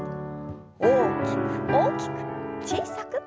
大きく大きく小さく。